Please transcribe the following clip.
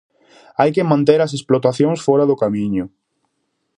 Hai que manter as explotacións fóra do Camiño.